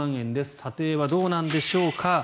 査定はどうなんでしょうか。